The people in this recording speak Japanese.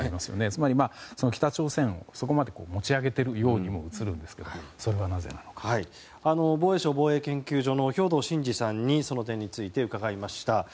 つまり、北朝鮮をそこまで持ち上げているようにも映るんですけど防衛省防衛研究所の兵頭慎治さんにその辺を伺いました。